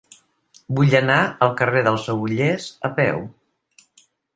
Vull anar al carrer dels Agullers a peu.